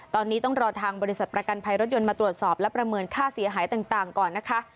ตอนนี้ต้องรอทางบริษัทประกันภัยรถยนต์มาตรวจสอบและประเมินค่าเสียหายต่างก่อนนะคะ